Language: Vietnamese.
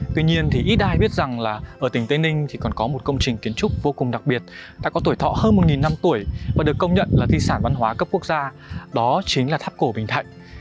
tuy nhiên thì ít ai biết rằng là ở tỉnh tây ninh thì còn có một công trình kiến trúc vô cùng đặc biệt đã có tuổi thọ hơn một năm tuổi và được công nhận là thi sản văn hóa cấp quốc gia đó chính là tháp cổ bình thạnh